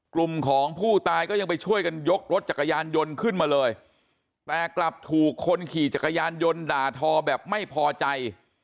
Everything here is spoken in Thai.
กลุ่มของผู้ตายก็ยังไปช่วยกันยกรถจักรยานยนต์ขึ้นมาเลยแต่กลับถูกคนขี่จักรยานยนต์ด่าทอแบบไม่พอใจ